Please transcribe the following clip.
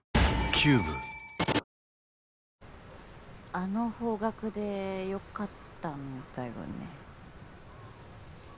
あの方角でよかったんだよね？